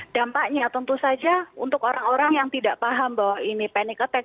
dampaknya tentu saja untuk orang orang yang tidak paham bahwa ini panic attack